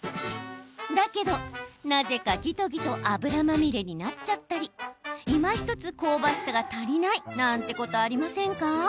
だけど、なぜか、ぎとぎと脂まみれになっちゃったりいまひとつ香ばしさが足りないなんてことありませんか？